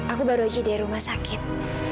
aku baru aja di rumah sakit